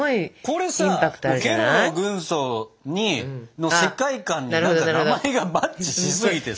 これさケロロ軍曹の世界観に名前がマッチしすぎてさ。